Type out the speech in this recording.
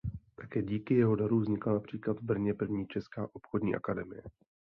Také díky jeho daru vznikla například v Brně první česká obchodní akademie.